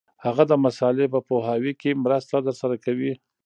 هم د مسألې په پوهاوي کي مرسته درسره کوي.